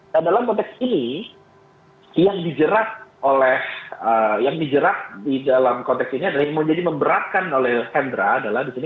dan dalam konteks ini yang dijerat oleh yang dijerat di dalam konteks ini adalah yang menjadi memberatkan oleh hendra adalah disini